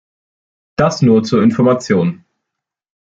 Das nur zur Information.